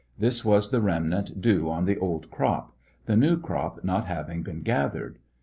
This was the remnant due on the old crop, the new crop not having been gathered.